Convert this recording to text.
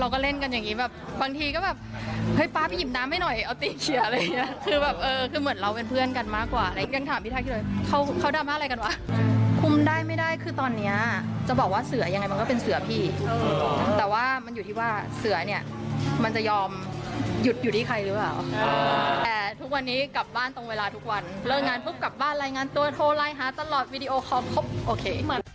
กลับบ้านตรงเวลาทุกวันเริ่มงานพรุ่งกลับบ้านรายงานตัวโทรไลน์หาตลอดวิดีโอคอบโอเค